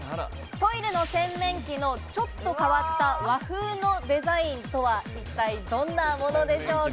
トイレの洗面器のちょっと変わった和風のデザインとは一体どんなものでしょうか？